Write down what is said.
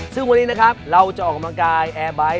ซึ่งวันนี้นะครับเราจะออกกำลังกายแอร์ไบท์